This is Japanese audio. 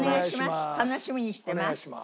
楽しみにしてます。